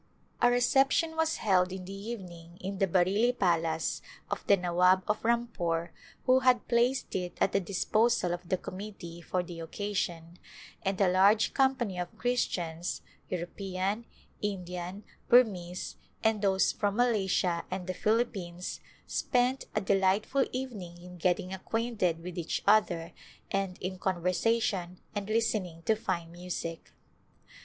A reception was held in the evening in the Bareilly palace of the Nawab of Rampore who had placed it at the disposal of the committee for the occasion, and a large company of Christians — European, Indian, Burmese and those from Malaysia and the Philippines spent a delightful evening in getting acquainted with each other and in conversation and listening to fine music.